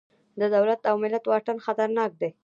د دولت او ملت واټن خطرناک دی.